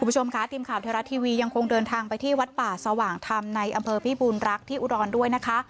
คุณผู้ชมค่ะทีมข่าวไทยรัฐทีวียังคงเดินทางไปที่วัดป่าสว่างธรรมในอำเภอพิบูรรักษ์ที่อุดรด้วยนะคะ